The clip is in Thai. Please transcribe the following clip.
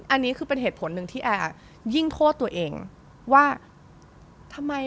อันนี้คือเป็นเหตุผลหนึ่งที่แอร์ยิ่งโทษตัวเองว่าทำไม